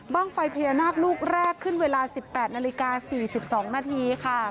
ไฟพญานาคลูกแรกขึ้นเวลา๑๘นาฬิกา๔๒นาทีค่ะ